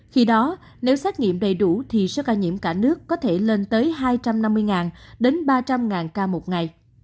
khi đó nếu xét nghiệm đầy đủ thì số ca nhiễm cả nước có thể lên tới hai trăm năm mươi đến ba trăm linh ca một ngày